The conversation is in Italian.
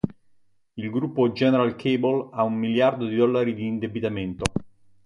Il gruppo General Cable ha un miliardo di dollari di indebitamento.